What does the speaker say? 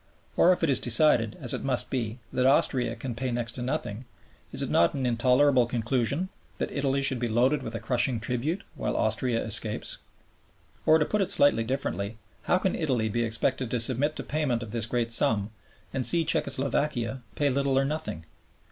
Or if it is decided (as it must be) that Austria can pay next to nothing, is it not an intolerable conclusion that Italy should be loaded with a crushing tribute, while Austria escapes? Or, to put it slightly differently, how can Italy be expected to submit to payment of this great sum and see Czecho Slovakia pay little or nothing?